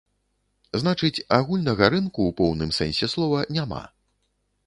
Значыць, агульнага рынку ў поўным сэнсе слова няма.